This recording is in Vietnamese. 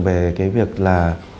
về cái việc là